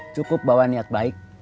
cukup bawa niat baik